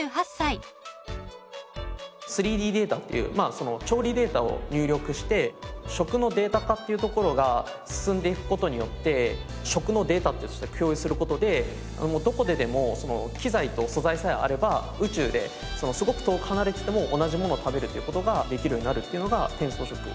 ３Ｄデータっていう調理データを入力して食のデータ化っていうところが進んでいく事によって食のデータとして共有する事でどこででも機材と素材さえあれば宇宙ですごく遠く離れてても同じものを食べるという事ができるようになるっていうのが転送食。